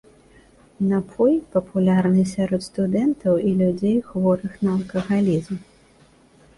Напой папулярны сярод студэнтаў і людзей, хворых на алкагалізм.